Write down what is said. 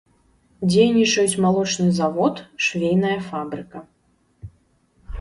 Дзейнічаюць малочны завод, швейная фабрыка.